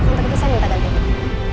untuk itu saya minta ganti